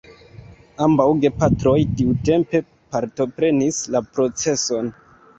Ambaŭ gepatroj tiutempe partoprenis la proceson.